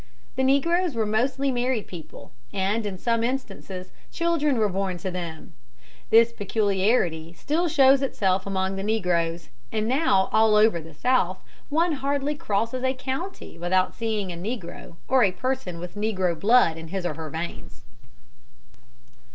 The negroes were mostly married people, and in some instances children were born to them. This peculiarity still shows itself among the negroes, and now all over the South one hardly crosses a county without seeing a negro or a person with negro blood in his or her veins. [Illustration: NEGROES STILL HAVE FAMILIES.